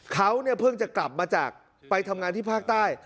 เขาเนี่ยเพิ่งจะกลับมาจากไปทำงานที่ภาคใต้